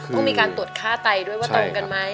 ต้องมีการตรวจค่าไตด้วยว่าตรงกันไหม